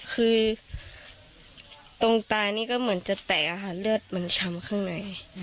คือตรงตานี่ก็เหมือนจะแตกอะค่ะเลือดมันช้ำข้างใน